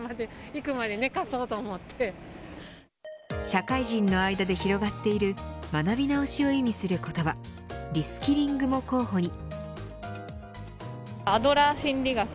社会人の間で広がっている学び直しを意味する言葉リスキリングも候補に。